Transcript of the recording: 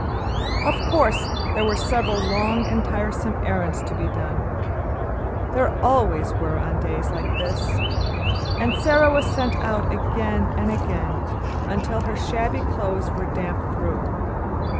Of course there were several long and tiresome errands to be done, there always were on days like this, and Sara was sent out again and again, until her shabby clothes were damp through.